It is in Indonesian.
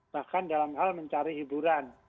bahkan dalam hal mencari hiburan